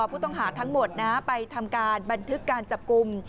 ผู้ต้องหาทั้งหมดนะไปทำการบันทึกการจับกลุ่ม